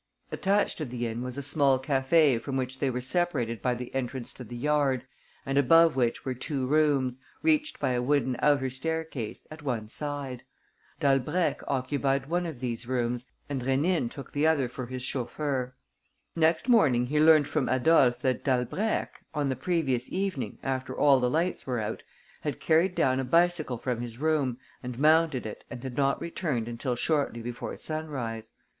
Attached to the inn was a small café from which they were separated by the entrance to the yard and above which were two rooms, reached by a wooden outer staircase, at one side. Dalbrèque occupied one of these rooms and Rénine took the other for his chauffeur. Next morning he learnt from Adolphe that Dalbrèque, on the previous evening, after all the lights were out, had carried down a bicycle from his room and mounted it and had not returned until shortly before sunrise.